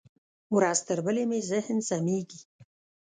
ورځ تر بلې مې ذهن سمېږي.